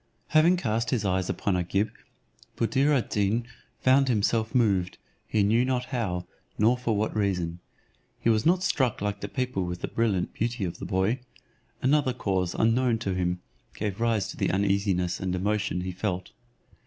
Having cast his eyes upon Agib, Buddir ad Deen found himself moved, he knew not how, nor for what reason. He was not struck like the people with the brilliant beauty of the boy; another cause unknown to him gave rise to the uneasiness and emotion he felt.